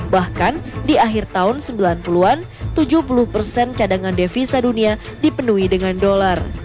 bahkan di akhir tahun sembilan puluh an tujuh puluh persen cadangan devisa dunia dipenuhi dengan dolar